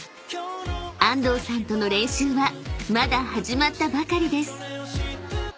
［安藤さんとの練習はまだ始まったばかりです］